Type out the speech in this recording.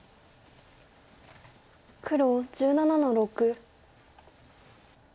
黒１７の六。